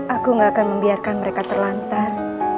aku gak akan membiarkan mereka terlantar